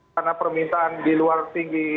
karena permintaan di luar tinggi